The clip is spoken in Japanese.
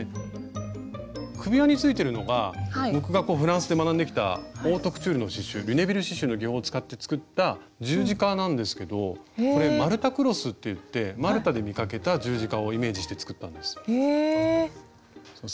首輪についてるのが僕がフランスで学んできたオートクチュールの刺しゅうリュネビル刺しゅうの技法を使って作った十字架なんですけどこれマルタクロスっていってマルタで見かけた十字架をイメージして作ったんです。